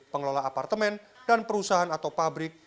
pengelola apartemen dan perusahaan atau pabrik